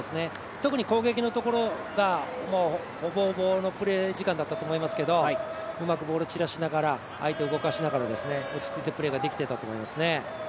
特に攻撃のところがほぼほぼのプレー時間だったと思うんですけどうまくボール散らしながら相手、動かしながら落ち着いてプレーができていたと思いますね。